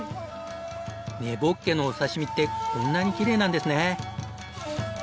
根ボッケのお刺身ってこんなにきれいなんですね。